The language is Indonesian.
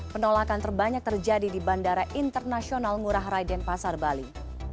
penolakan terbanyak terjadi di bandara internasional ngurah rai denpasar bali